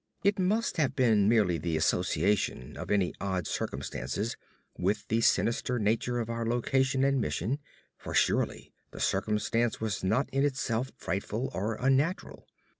It must have been merely the association of any odd circumstance with the sinister nature of our location and mission, for surely the circumstance was not in itself frightful or unnatural.